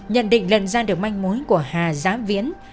nhận định lần gian được manh mối của hà giá viễn